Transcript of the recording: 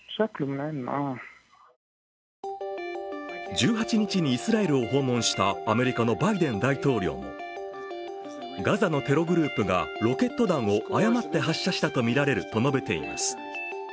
１８日にイスラエルを訪問したアメリカのバイデン大統領もガザのテログループがロケット弾を誤って発射したとみられると述べています。